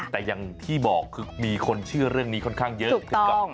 แต่อย่างที่บอกคือมีคนเชื่อเรื่องนี้ค่อนข้างเยอะ